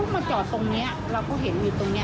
ฟันนี่เราก็เห็นอยู่ตรงนี้